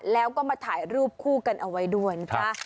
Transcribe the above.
แล้วก็มาถ่ายรูปคู่กันเอาไว้ด้วยนะคะ